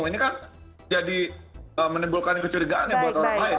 ini kan jadi menimbulkan kecurigaannya buat orang lain